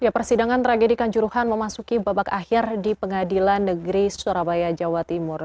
persidangan tragedi kanjuruhan memasuki babak akhir di pengadilan negeri surabaya jawa timur